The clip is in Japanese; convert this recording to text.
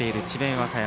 和歌山。